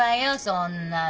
そんなの。